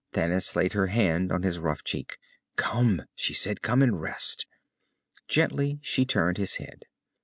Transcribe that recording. Thanis laid her hand on his rough cheek. "Come," she said. "Come and rest." Gently she turned his head.